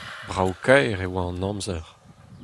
Brav-kaer e oa an amzer.